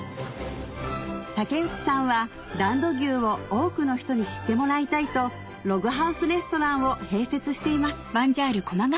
竹内さんは段戸牛を多くの人に知ってもらいたいとログハウスレストランを併設しています